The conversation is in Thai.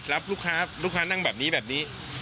รับลูกค้าลูกค้านั่งแบบนี้แบบนี้